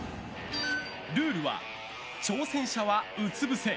ルールは挑戦者は、うつぶせ。